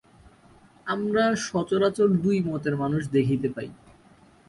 আমরা সচরাচর দুই মতের মানুষ দেখিতে পাই।